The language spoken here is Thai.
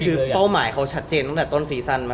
คือเป้าหมายเขาชัดเจนตั้งแต่ต้นซีซั่นมา